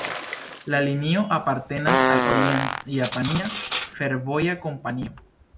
La linio apartenas al Orient-Japania Fervoja Kompanio.